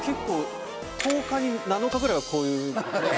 １０日に７日ぐらいはこういう。